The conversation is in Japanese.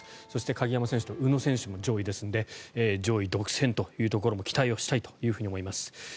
そして鍵山選手と宇野選手も上位ですので上位独占というところも期待したいと思います。